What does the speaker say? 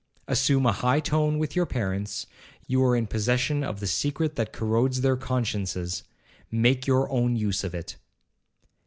Assume a high tone with your parents,—you are in possession of the secret that corrodes their consciences, make your own use of it.'